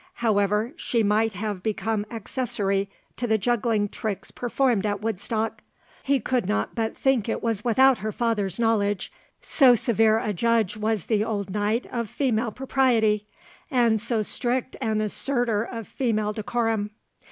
However she might have become accessory to the juggling tricks performed at Woodstock, he could not but think it was without her father's knowledge, so severe a judge was the old knight of female propriety, and so strict an assertor of female decorum.